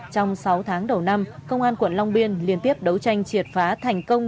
trong sáu tháng đầu năm công an quận long biên liên tiếp đấu tranh triệt phá thành công